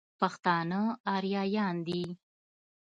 پښتانه اريايان دي.